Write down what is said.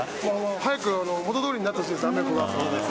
早く元どおりになってほしいです。